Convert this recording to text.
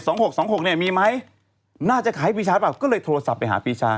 หกสองหกเนี่ยมีไหมน่าจะขายให้ปีชาเปล่าก็เลยโทรศัพท์ไปหาปีชา